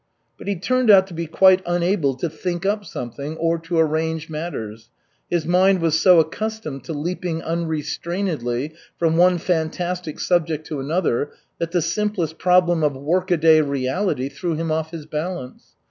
But he turned out to be quite unable "to think up something" or "to arrange matters." His mind was so accustomed to leaping unrestrainedly from one fantastic subject to another, that the simplest problem of workaday reality threw him off his balance.